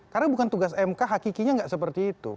karena bukan tugas mk hakikinya enggak seperti itu